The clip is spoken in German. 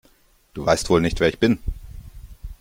Du weißt wohl nicht, wer ich bin!